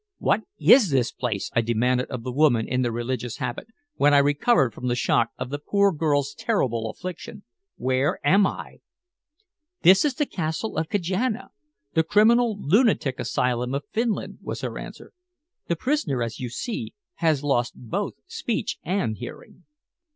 "What is this place?" I demanded of the woman in the religious habit, when I recovered from the shock of the poor girl's terrible affliction. "Where am I?" "This is the Castle of Kajana the criminal lunatic asylum of Finland," was her answer. "The prisoner, as you see, has lost both speech and hearing."